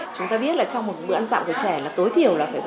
chúng ta biết là trong một bữa ăn dặm của trẻ là tối thiểu là phải ăn dặm